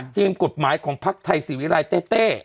ทีมกฎหมายของพักไทยศิริรายเต้เต้